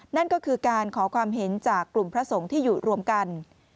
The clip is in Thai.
นั่นก็คือการขอความเห็นจากกลุ่มพระสงฆ์ที่อยู่รวมกัน